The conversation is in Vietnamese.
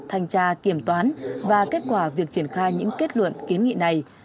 thanh tra kiểm toán và kết quả việc triển khai những kết luận kiến nghị này